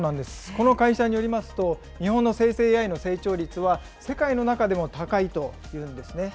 この会社によりますと、日本の生成ＡＩの成長率は、世界の中でも高いというんですね。